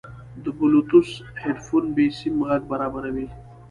د بلوتوث هیډفون بېسیم غږ برابروي.